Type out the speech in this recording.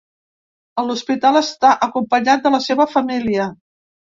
A l’hospital està acompanyat de la seva família.